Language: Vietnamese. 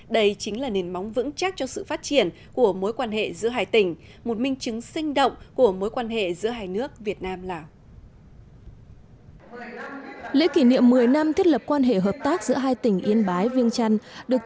đây chính là nền móng vững chắc cho sự phát triển của mối quan hệ giữa hai tỉnh một minh chứng sinh động của mối quan hệ giữa hai nước việt nam lào